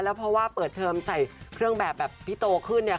เพราะว่าเปิดเทิมใส่เครื่องแบบพี่โตขึ้น